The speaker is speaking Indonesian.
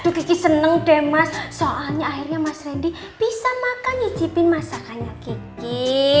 itu kiki seneng deh mas soalnya akhirnya mas randy bisa makan nyicipin masakannya kiki